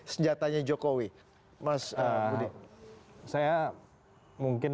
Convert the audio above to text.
senjatanya jokowi mas budi saya mungkin